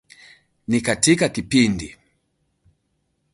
Ni katika kipindi